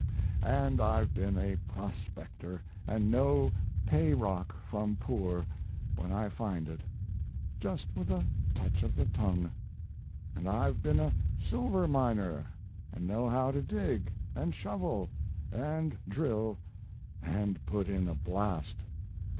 And I've been a prospector, and know pay rock from poor when I find it just with a touch of the tongue. And I've been a silver miner and know how to dig and shovel and drill and put in a blast.